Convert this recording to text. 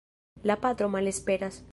La patro malesperas.